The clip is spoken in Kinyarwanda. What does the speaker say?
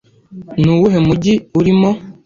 Ni uwuhe mujyi urimo